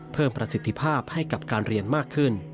เพิ่มประสิทธิภาพให้กับการเรียนมากขึ้น